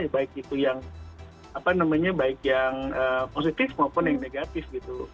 baik itu yang positif maupun yang negatif